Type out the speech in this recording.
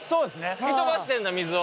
吹き飛ばしてるんだ水を。